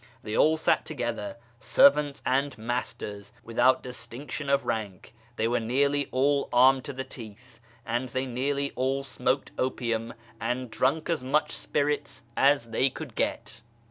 They all sat together, servants and masters, without distinction of rank ; they were nearly all armed to the teeth ; and they nearly all smoked opium and drunk as much spirits as they could get.